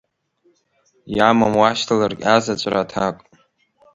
Иамам уашьҭаларгь азаҵәра аҭак.